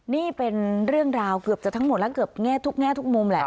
นี่เป็นเรื่องราวเกือบจะทั้งหมดแล้วเกือบแง่ทุกแง่ทุกมุมแหละ